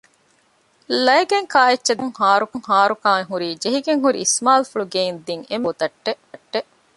ލައިގެންކާ އެއްޗެހި ދަތިކަމުން ހާރުކާން ހުރީ ޖެހިގެންހުރި އިސްމާއީލްފުޅު ގެއިން ދިން އެންމެ ރިހަ ބޯތައްޓެއް